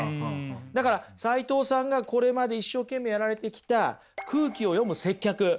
だから齋藤さんがこれまで一生懸命やられてきた空気を読む接客！